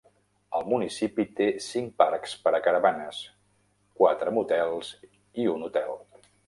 El municipi té cinc parcs per a caravanes, quatre motels i un hotel.